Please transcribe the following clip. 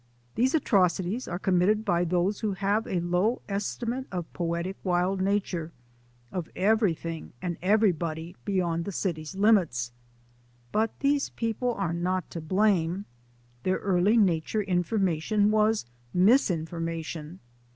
These atrocities are committed by those who have a low estimate of poetic wild nature, of everything and everybody beyond the city limits. But these people are not to blame. Their early nature information was mis information.